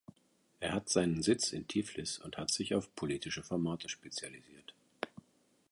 Er hat seinen Sitz in Tiflis und hat sich auf politische Formate spezialisiert.